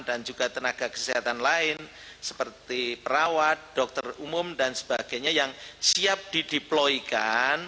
dan juga tenaga kesehatan lain seperti perawat dokter umum dan sebagainya yang siap dideploykan